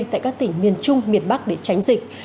tại các tỉnh miền trung miền bắc để tránh dịch